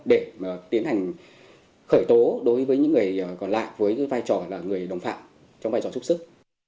để tiến hành khởi tố đối với những người còn lại với vai trò là người đồng phạm trong vai trò giúp sức